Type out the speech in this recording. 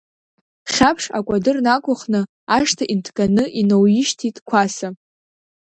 Хьаԥшь акәадыр нақәхны, ашҭа инҭганы иноуишьҭит Қәаса.